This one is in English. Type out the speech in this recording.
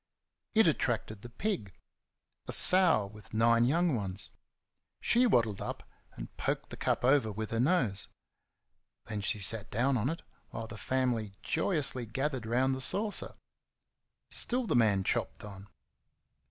It attracted the pig a sow with nine young ones. She waddled up, and poked the cup over with her nose; then she sat down on it, while the family joyously gathered round the saucer. Still the man chopped on.